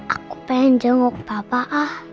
aku pengen jenguk bapak ah